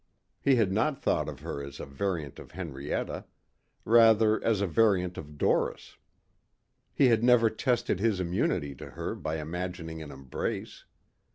He had not thought of her as a variant of Henrietta. Rather as a variant of Doris. He had never tested his immunity to her by imagining an embrace.